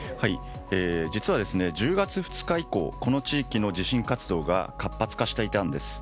実は１０月２日以降この地域の地震活動が活発化していたんです。